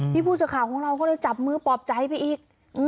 พี่ผู้สาขาของเราก็เลยจับมือปลอบใจไปอีก